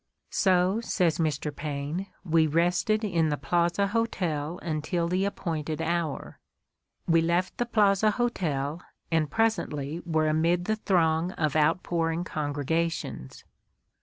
"So," says Mr. Paine, "we rested in the Mark Twain's Despair 19 Plaza Hotel until the appointed hour. ... We left the Plaza Hotel and presently were amid the throng of outpouring congregations.